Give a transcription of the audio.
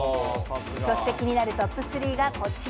そして気になるトップ３がこちら。